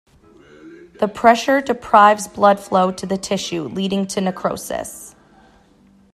The pressure deprives blood flow to the tissue, leading to necrosis.